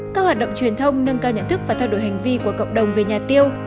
các hoạt động truyền thông nâng cao nhận thức và thay đổi hành vi của cộng đồng về nhà tiêu